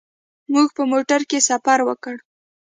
موږ په موټر کې سفر وکړ.